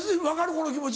この気持ち。